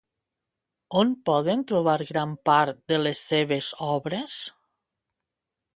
On podem trobar gran part de les seves obres?